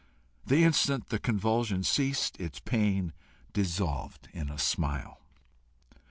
The instant the convulsion ceased, its pain dissolved in a smile.